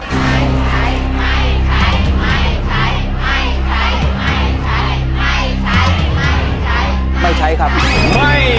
ใช้ใช้ไม่ใช้ไม่ใช้ไม่ใช้ไม่ใช้ไม่ใช้ไม่ใช้ไม่ใช้ครับไม่